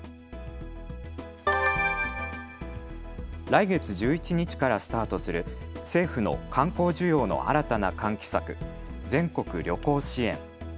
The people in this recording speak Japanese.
来月１１日からスタートする政府の観光需要の新たな喚起策、全国旅行支援。